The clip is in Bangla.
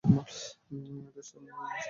এটার শাখা বের হয়েছে এখানে।